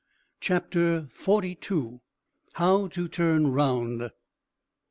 CHAPTER FORTY TWO. HOW TO TURN ROUND.